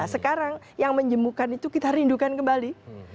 sekarang yang menjemukan itu kita rindukan kembali